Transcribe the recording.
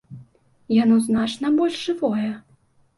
Яно значна больш жывое!